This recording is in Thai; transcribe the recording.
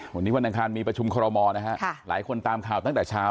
วันนี้วันอังคารมีประชุมคอรมอลนะฮะหลายคนตามข่าวตั้งแต่เช้า